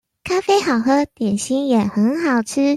咖啡好喝，點心也很好吃